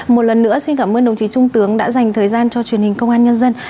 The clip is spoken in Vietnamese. một lần nữa xin cảm ơn đồng chí trung tướng đã dành thời gian cho truyền hình công an nhân dân